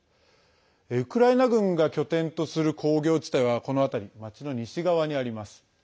ウクライナ軍が拠点とする工業地帯は、この辺り町の西側にあります。